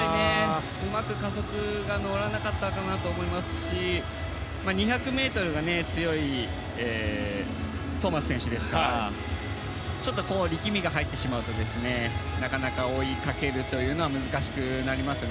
うまく加速が乗らなかったかなと思いますし４００ｍが強いトーマス選手ですから力みが入ってしまうとなかなか追いかけるのは難しくなりますね。